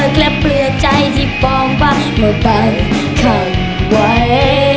แค่เปลือกใจที่บอกว่าไม่ไปข้างไว้